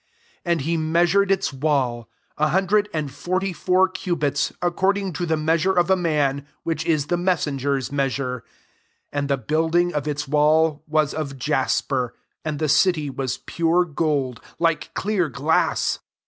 17 And he measured its wall, a hundred and forty four cubits, according to the mea sure of a man, which is the messenger's meaaure, 18 And the building of its wall was of jasper : and the city waa pure gold, like clear glass.